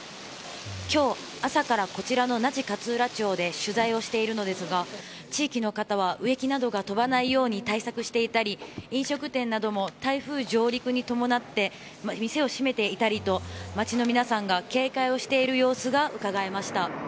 今日、朝からこちらの那智勝浦町で取材をしていますが地域の方は植木などが飛ばないように対策をしていたり飲食店なども台風上陸に伴って店を閉めていたりと町の皆さんが警戒をしている様子がうかがえました。